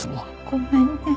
ごめんね。